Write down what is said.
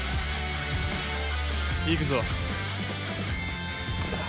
行くぞ。